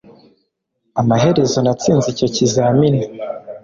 amaherezo natsinze icyo kizamini